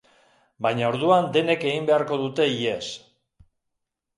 Baina orduan denek egin beharko dute ihes.